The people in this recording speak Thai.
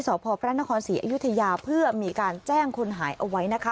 สพพระนครศรีอยุธยาเพื่อมีการแจ้งคนหายเอาไว้นะคะ